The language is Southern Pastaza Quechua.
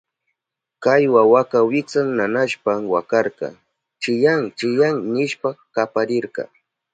Kay wawaka wiksan nanashpan wakarka, chiyán chiyán nishpa kaparirka.